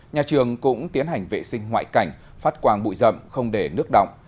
nhà trường cũng tiến hành vệ sinh ngoại cảnh phát quang bụi rậm không để nước động